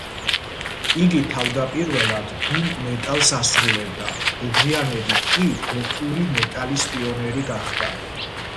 იგი თავდაპირველად დუმ მეტალს ასრულებდა, მოგვიანებით კი გოთური მეტალის პიონერი გახდა.